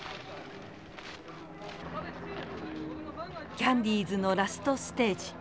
キャンディーズのラストステージ。